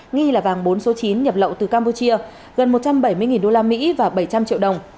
nghi là vàng bốn số chín nhập lậu từ campuchia gần một trăm bảy mươi usd và bảy trăm linh triệu đồng